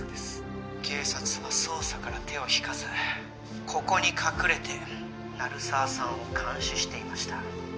警察は捜査から手を引かずここに隠れて鳴沢さんを監視していました